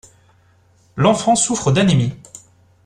L’enfant souffre d’anémie.